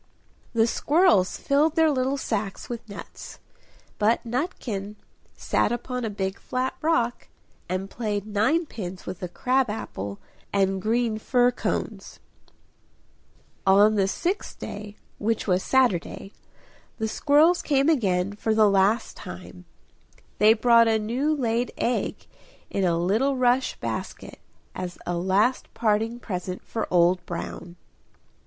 The squirrels filled their little sacks with nuts. But Nutkin sat upon a big flat rock, and played ninepins with a crab apple and green fir cones. On the sixth day, which was Saturday, the squirrels came again for the last time; they brought a new laid egg in a little rush basket as a last parting present for Old Brown.